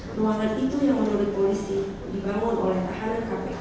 ruangan itu yang menurut polisi dibangun oleh kpk